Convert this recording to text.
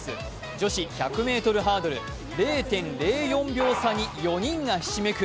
女子１００ｍハードル、０．０４秒差に４人がひしめく